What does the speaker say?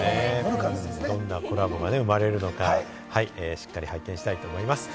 どんなコラボが生まれるのか、しっかり拝見したいと思います。